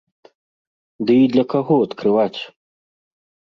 Ды і для каго адкрываць?